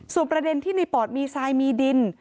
ส่วนประเด็นที่ในปอดมีทรายมีดิน